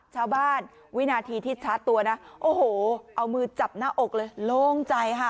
วินาทีที่ชาร์จตัวนะโอ้โหเอามือจับหน้าอกเลยโล่งใจค่ะ